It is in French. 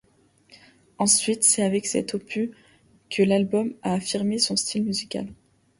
Ensuite, c'est avec cet opus que l'album a affirmé son style musical.